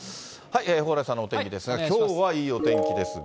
蓬莱さんのお天気ですが、きょうはいいお天気ですが。